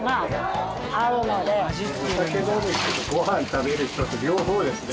お酒飲む人とご飯食べる人と両方ですね。